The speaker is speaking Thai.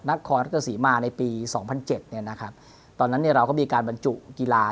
นครราชสีมาในปีสองพันเจ็ดเนี่ยนะครับตอนนั้นเนี่ยเราก็มีการบรรจุกีฬา